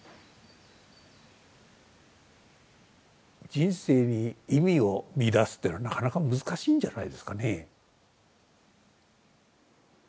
人生に意味を見いだすっていうのはなかなか難しいんじゃないですかね。